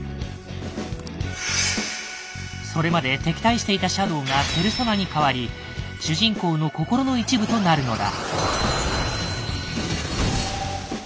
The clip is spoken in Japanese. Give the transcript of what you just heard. それまで敵対していたシャドウがペルソナに変わり主人公の心の一部となるのだ。